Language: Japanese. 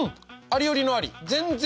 ありよりのあり。